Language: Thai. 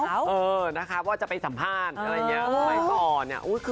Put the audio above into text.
เออว่าจะไปสัมภาษณ์